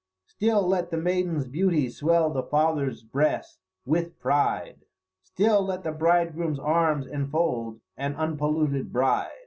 Still let the maiden's beauty swell the father's breast with pride; Still let the bridegroom's arms enfold an unpolluted bride.